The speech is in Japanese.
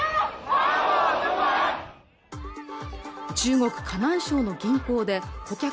中国河南省の銀行で顧客